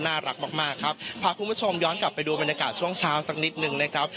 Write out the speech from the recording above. น่ารักมากมากครับพาคุณผู้ชมย้อนกลับไปดูบรรยากาศช่วงเช้าสักนิดนึงนะครับ